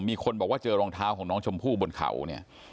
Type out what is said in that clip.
มีคนบอกว่าเจอรองเท้าของน้องชมพู่บนเขาเนี่ย